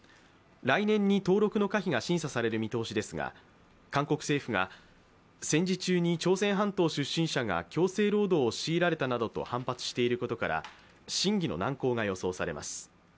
来年に登録の可否が審査される見通しですが韓国政府が戦時中に朝鮮半島出身者が強制労働を強いられたなどと反発していることから審議の難航が予想されます。